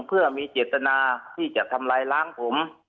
เพื่อมีเจตนาที่จะทำลายล้างผม